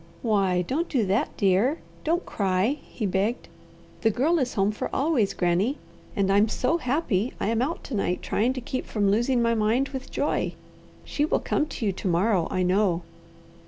"Why don't do that, dear. Don't cry," he begged. "The Girl is home for always, Granny, and I'm so happy I am out to night trying to keep from losing my mind with joy. She will come to you to morrow, I know."